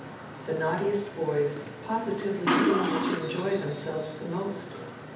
The naughtiest boys positively seemed to enjoy themselves most.